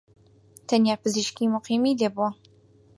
تەنیا پزیشکیی موقیمی لێبووە